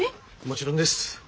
もちろんです。